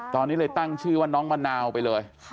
ตอนนี้เลยตั้งชื่อว่าน้องมะนาวไปเลย